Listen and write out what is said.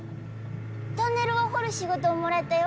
トンネルを掘る仕事をもらえたよ。